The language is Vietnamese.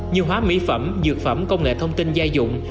như hóa mỹ phẩm dược phẩm công nghệ thông tin gia dụng